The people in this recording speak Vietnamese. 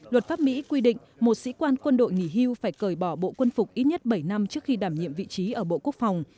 luật pháp mỹ quy định một sĩ quan quân đội nghỉ hưu phải cởi bỏ bộ quân phục ít nhất bảy năm trước khi đảm nhiệm vị trí ở bộ quốc phòng